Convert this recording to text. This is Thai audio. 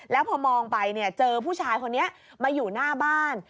แล้วพอมองไปเจอผู้ชายคนนี้มาอยู่หน้าบ้าน